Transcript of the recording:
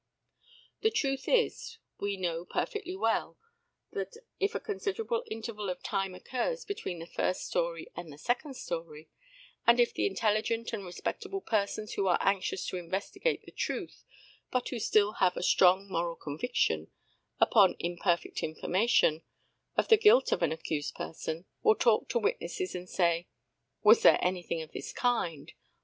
The truth is, we know perfectly well that if a considerable interval of time occurs between the first story and the second story, and if the intelligent and respectable persons who are anxious to investigate the truth, but who still have a strong moral conviction upon imperfect information of the guilt of an accused person, will talk to witnesses and say, "Was there anything of this kind?"